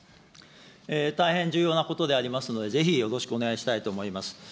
大変重要なことでありますので、ぜひよろしくお願いしたいと思います。